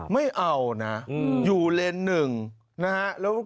ไม่เอานะอยู่เลนส์หนึ่งนะฮะ